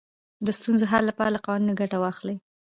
د ستونزو حل لپاره له قوانینو ګټه واخلئ.